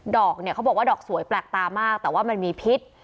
ดอกเนี่ยเขาบอกว่าดอกสวยแปลกตามากแต่ว่ามันมีพิษ